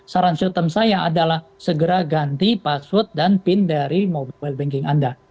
saran short term saya adalah segera ganti password dan pin dari mobile banking anda